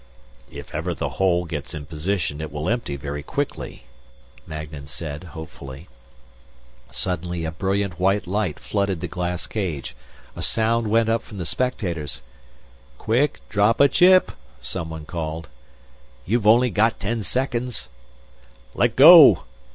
"If ever the hole gets in position it will empty very quickly," Magnan said, hopefully. Suddenly, a brilliant white light flooded the glass cage. A sound went up from the spectators. "Quick, drop a chip," someone called. "You've only got ten seconds...." "Let go!"